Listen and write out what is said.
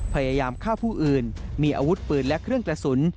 พยายามฆ่าผู้อื่นมีอาวุธปืนและเครื่องกระสุน